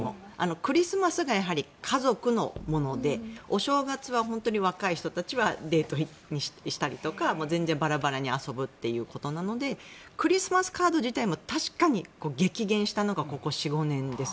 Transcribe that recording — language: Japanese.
クリスマスがやはり、家族のものでお正月は本当に若い人たちはデートしたりとか全然バラバラに遊ぶということなのでクリスマスカード自体も確かに激減したのがここ４５年です。